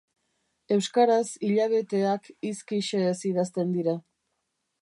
Euskaraz hilabeteak hizki xehez idazten dira.